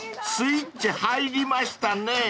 スイッチ入りましたね］